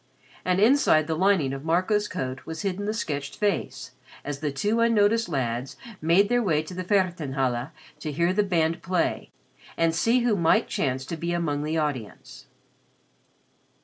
And inside the lining of Marco's coat was hidden the sketched face, as the two unnoticed lads made their way to the Feldherrn halle to hear the band play and see who might chance to be among the audience.